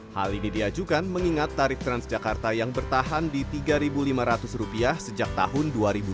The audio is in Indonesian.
hal ini diajukan mengingat tarif transjakarta yang bertahan di rp tiga lima ratus sejak tahun dua ribu dua puluh